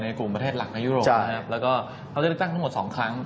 กลุ่มประเทศหลักในยุโรปนะครับแล้วก็เขาเลือกตั้งทั้งหมด๒ครั้ง